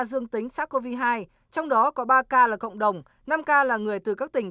dương tính sars cov hai trong đó có ba ca là cộng đồng năm ca là người từ các tỉnh